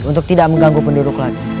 untuk tidak mengganggu penduduk lagi